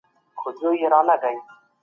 نصوار د خولې سرطان سبب ګرځي.